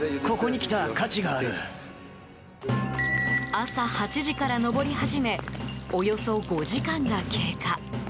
朝８時から登り始めおよそ５時間が経過。